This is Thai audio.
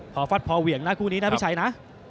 พอฟัดพอเหวี่ยงนะคู่นี้นะพี่ชัยนะ